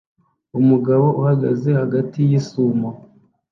Umugabo uhagaze hagati yisumo